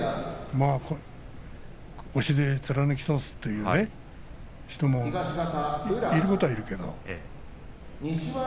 押しで貫き通すという人もいることはいるけれども。